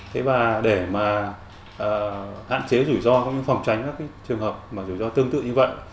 thế và để mà hạn chế rủi ro phòng tránh các trường hợp mà rủi ro tương tự như vậy